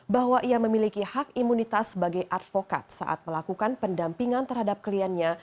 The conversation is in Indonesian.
bahwa ia memiliki hak imunitas sebagai advokat saat melakukan pendampingan terhadap kliennya